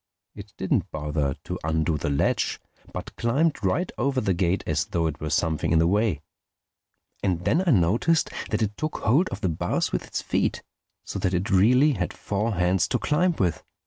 It didn't bother to undo the latch but just climbed right over the gate as though it were something in the way. And then I noticed that it took hold of the bars with its feet, so that it really had four hands to climb with.